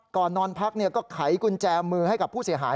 ก่อนนอนพักก็ไขกุญแจมือให้กับผู้เสียหาย